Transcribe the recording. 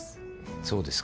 そうですか。